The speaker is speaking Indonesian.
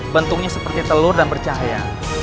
bentuknya seperti telur dan bercahaya